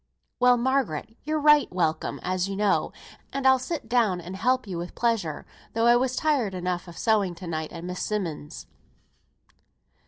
"Well, Margaret, you're right welcome as you know, and I'll sit down and help you with pleasure, though I was tired enough of sewing to night at Miss Simmonds'."